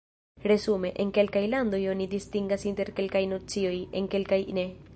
Resume, en kelkaj landoj oni distingas inter kelkaj nocioj, en kelkaj ne.